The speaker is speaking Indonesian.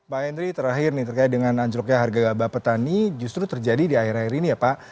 pak henry terakhir nih terkait dengan anjloknya harga gabah petani justru terjadi di akhir akhir ini ya pak